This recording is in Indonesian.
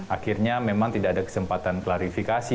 akhirnya memang tidak ada kesempatan klarifikasi